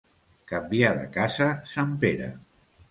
Canviar de casa sant Pere.